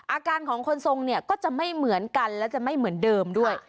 อาการของคนทรงเนี่ยก็จะไม่เหมือนกันและจะไม่เหมือนเดิมด้วย